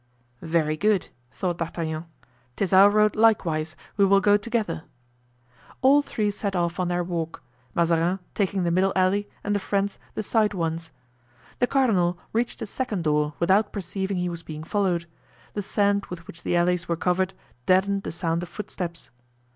"Very good," thought D'Artagnan, "'tis our road likewise; we will go together." All three set off on their walk, Mazarin taking the middle alley and the friends the side ones. The cardinal reached a second door without perceiving he was being followed; the sand with which the alleys were covered deadened the sound of footsteps.